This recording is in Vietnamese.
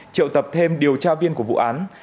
triệu tập thêm điều tra viên của vụ án